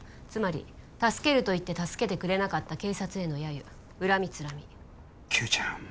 つまり助けるといって助けてくれなかった警察への揶揄恨みつらみ九ちゃん